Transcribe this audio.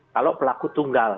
kalau pelaku tunggal